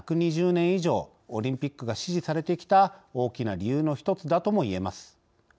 年以上オリンピックが支持されてきた大きな理由の１つだともいえます。